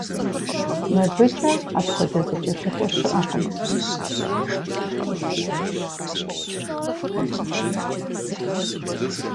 Мыбыкӏэ апхуэдэ зэкӀэлъыкӀуэ щыӀэкъым.